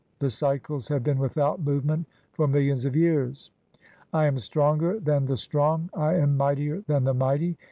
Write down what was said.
the cycles have been without "movement for millions of years. I am stronger (3) than the "strong, I am mightier than the mighty.